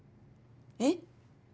えっ？